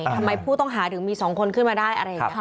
ทำไมผู้ต้องหาถึงมี๒คนขึ้นมาได้อะไรอย่างนี้